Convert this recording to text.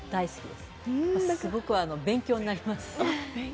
すごく勉強になります。